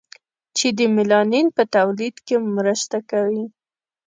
چې د میلانین په تولید کې مرسته کوي.